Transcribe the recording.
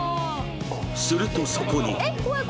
するとそこに